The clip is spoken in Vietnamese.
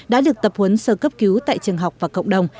đã được tập huấn sơ cấp cứu tại trường học và cộng đồng